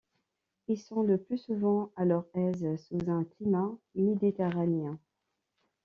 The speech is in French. Ils sont le plus souvent à leur aise sous un climat méditerranéen.